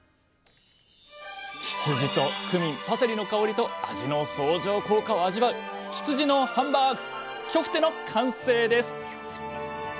羊とクミンパセリの香りと味の相乗効果を味わう羊のハンバーグ「キョフテ」の完成です！